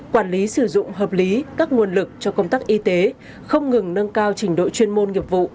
quản lý sử dụng hợp lý các nguồn lực cho công tác y tế không ngừng nâng cao trình độ chuyên môn nghiệp vụ